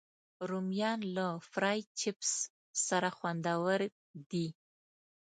رومیان له فرای چپس سره خوندور دي